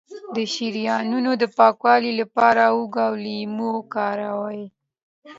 د شریانونو د پاکوالي لپاره هوږه او لیمو وکاروئ